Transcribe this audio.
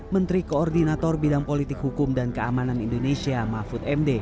menteri koordinator bidang politik hukum dan keamanan indonesia mahfud md